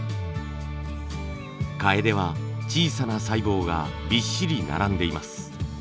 カエデは小さな細胞がびっしり並んでいます。